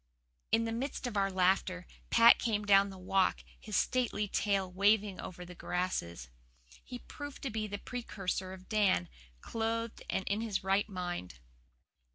'" In the midst of our laughter Pat came down the Walk, his stately tail waving over the grasses. He proved to be the precursor of Dan, clothed and in his right mind.